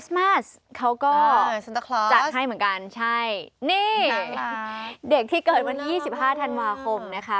เด็กที่เกิดวัน๒๕ธันวาคมนะคะ